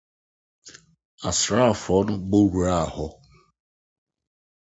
Asraafo no bɔ wuraa hɔ.